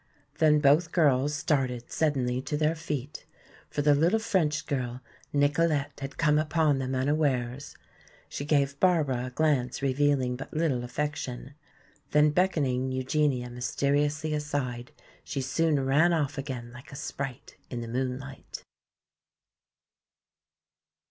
Then both girls started suddenly to their feet. For the little French girl, Nicolete, had come upon them unawares. She gave Barbara a glance revealing but little affection. Then beckoning Eugenia mysteriously aside she soon ran off again like a sprite in the moonlight.